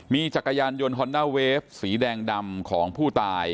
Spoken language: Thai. มีจักรยานยนต์ฮอนด้าเวฟสีแดงดำของผู้ตาย